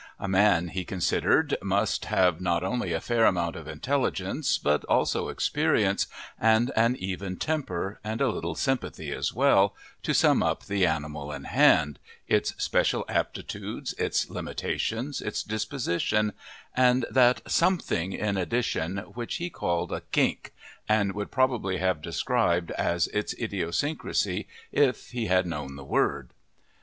A man, he considered, must have not only a fair amount of intelligence, but also experience, and an even temper, and a little sympathy as well, to sum up the animal in hand its special aptitudes, its limitations, its disposition, and that something in addition, which he called a "kink," and would probably have described as its idiosyncrasy if he had known the word.